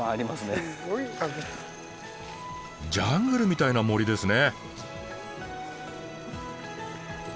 ジャングルみたいな森ですね。